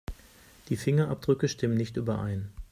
Die Fingerabdrücke stimmen nicht überein.